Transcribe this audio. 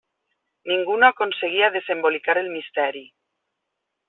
Ningú no aconseguia desembolicar el misteri.